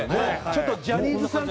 ちょっとジャニーズさん